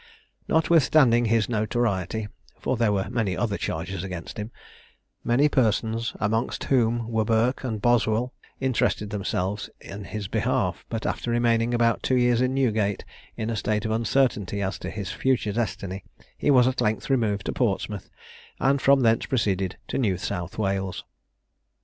Notwithstanding his notoriety, (for there were many other charges against him,) many persons, amongst whom were Burke and Boswell, interested themselves in his behalf; but after remaining about two years in Newgate in a state of uncertainty as to his future destiny, he was at length removed to Portsmouth, and from thence proceeded to New South Wales.